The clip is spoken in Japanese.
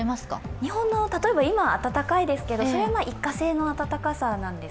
日本は今、暖かいですけどそれは一過性の暖かさなんです。